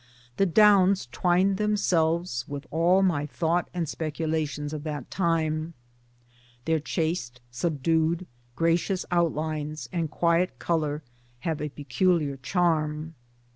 The Downs twined themselves with all my thought and specula tions of that time. Their chaste subdued gracious outlines and quiet colour have a peculiar charm.